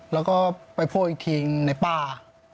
แล้วก็ไปโพกอีกทีในป้า